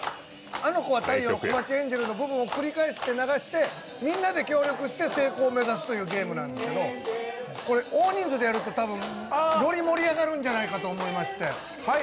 あの娘は太陽のＫｏｍａｃｈｉＡｎｇｅｌの部分を繰り返して流してみんなで協力して成功を目指すというゲームなんですけど、大人数でやるとより盛り上がるんじゃないかと思いまして。